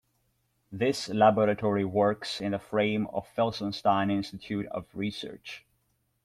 This laboratory works in the frame of Felsenstein Institute of Research.